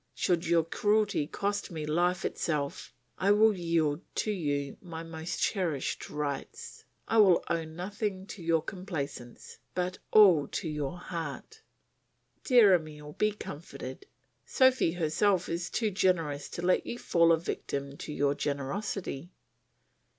Should your cruelty cost me life itself I would yield to you my most cherished rights. I will owe nothing to your complaisance, but all to your heart." Dear Emile, be comforted; Sophy herself is too generous to let you fall a victim to your generosity.